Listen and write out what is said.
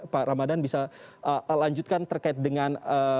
pak ramadhan bisa lanjutkan terkait dengan